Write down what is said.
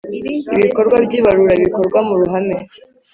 Ibikorwa by ibarura bikorwa mu ruhame